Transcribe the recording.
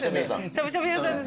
しゃぶしゃぶ屋さん。